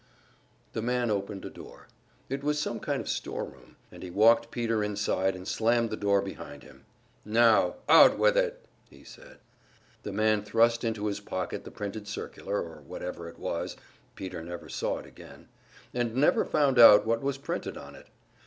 The man opened a door. It was some kind of storeroom, and he walked Peter inside and slammed the door behind him. "Now, out with it!" he said. The man thrust into his pocket the printed circular, or whatever it was Peter never saw it again, and never found out what was printed on it.